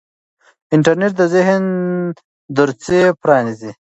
انټرنیټ د ذهن دریڅې پرانیزي.